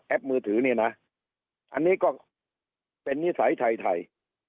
มือถือเนี่ยนะอันนี้ก็เป็นนิสัยไทย